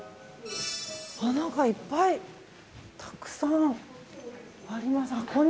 何かいっぱい、たくさんあります。